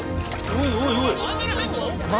おいおいおい！